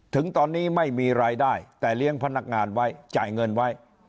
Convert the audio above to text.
ถึงตอนนี้ไม่มีรายได้แต่เลี้ยงพนักงานไว้จ่ายเงินไว้